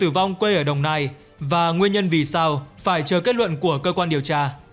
và nguyên nhân vì sao phải chờ kết luận của cơ quan điều tra